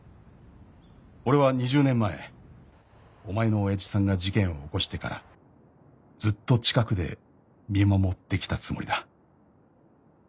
「俺は２０年前お前の親父さんが事件を起こしてからずっと近くで見守ってきたつもりだ」